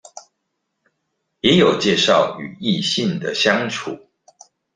也有介紹與異性的相處